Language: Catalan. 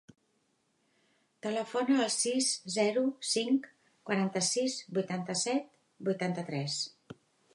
Telefona al sis, zero, cinc, quaranta-sis, vuitanta-set, vuitanta-tres.